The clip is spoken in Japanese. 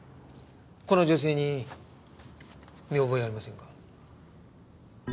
この女性に見覚えはありませんか？